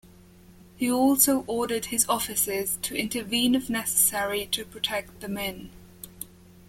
He also ordered his officers to intervene if necessary to protect the men.